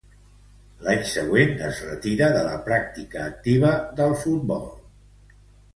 L'any següent, es retira de la pràctica activa del futbol.